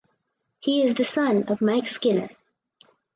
He is the son of Mike Skinner.